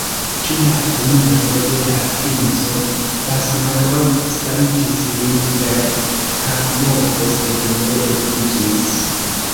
Ĉu la eniro de la princo Basmanov salutis lin per kapmovo, sed ne leviĝis.